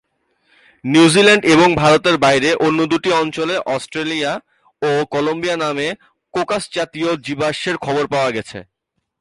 New Zealand এবং ভারতের বাইরে অন্য দুটি অঞ্চলে অস্ট্রেলিয়া ও কলম্বিয়া নামে কোকোস জাতীয় জীবাশ্মের খবর পাওয়া গেছে।